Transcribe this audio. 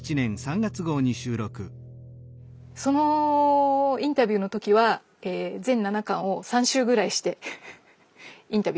そのインタビューの時は全７巻を３周ぐらいしてインタビューに臨みました。